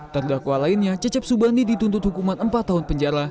terdakwa lainnya cecep subandi dituntut hukuman empat tahun penjara